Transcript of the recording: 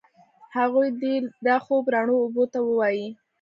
هغوی دي دا خوب روڼو اوبو ته ووایي